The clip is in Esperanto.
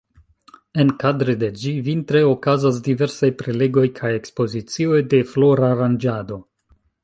Enkadre de ĝi vintre okazas diversaj prelegoj kaj ekspozicioj de floraranĝado.